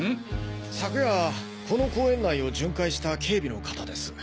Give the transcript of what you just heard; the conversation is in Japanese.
昨夜この公園内を巡回した警備の方です。